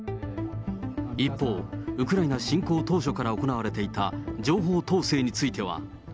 一方、ウクライナ侵攻当初から行われていた情報統制については。